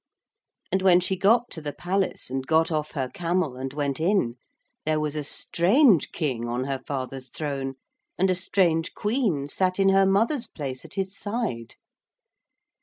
And when she got to the palace and got off her camel and went in, there was a strange king on her father's throne and a strange queen sat in her mother's place at his side.